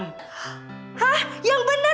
hah yang bener